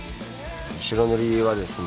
白塗りはですね